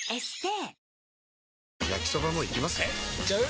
えいっちゃう？